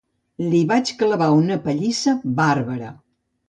Li vaig clavar una pallissa bàrbara.